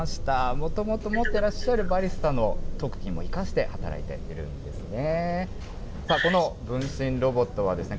もともと持っていらっしゃるバリスタの特技も生かして働いているんですね。